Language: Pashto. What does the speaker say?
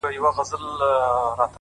تاته پرده کي راځم تا نه بې پردې وځم _